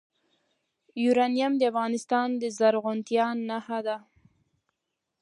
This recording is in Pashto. یورانیم د افغانستان د زرغونتیا نښه ده.